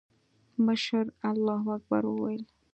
مشر الله اکبر وويل.